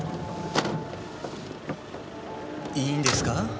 いいんですか？